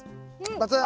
バツン。